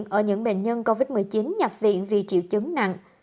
phát hiện ở những bệnh nhân covid một mươi chín nhập viện vì triệu chứng nặng